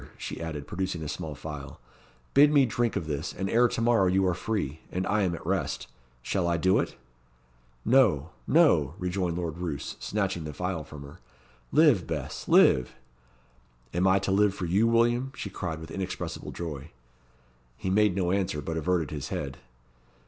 she added, producing a small phial. "Bid me drink of this, and ere to morrow you are free, and I am at rest. Shall I do it?" "No no," rejoined Lord Roos, snatching the phial from her. "Live, Bess, live!" "Am I to live for you, William?" she cried, with inexpressible joy. He made no answer, but averted his head.